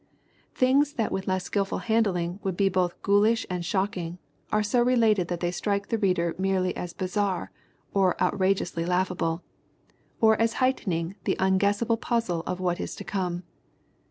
Things that with less skillful handling would be both ghoulish and shocking, are so related that they strike the reader merely as bizarre or outrageously laugh able, or as heightening the unguessable puzzle of what is to come.